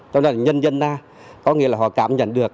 cho nên nhân dân ta có nghĩa là họ cảm nhận được